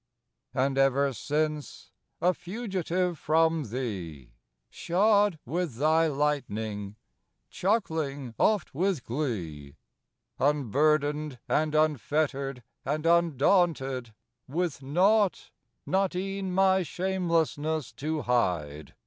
And ever since, a fugitive from Thee, Shod with Thy lightning, chuckling oft with glee, Unburdened and unfettered and undaunted, With naught, not e'en my shamelessness to hide.